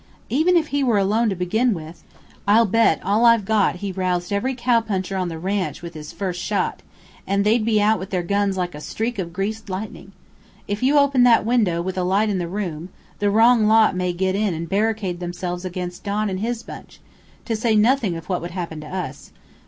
Even if he were alone to begin with, I'll bet all I've got he roused every cowpuncher on the ranch with his first shot; and they'd be out with their guns like a streak of greased lightning. If you open that window with a light in the room, the wrong lot may get in and barricade themselves against Don and his bunch to say nothing of what would happen to us.